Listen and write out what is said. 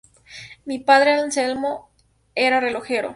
Mi padre, Anselmo, era relojero.